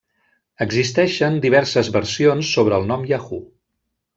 Existeixen diverses versions sobre el nom Yahoo!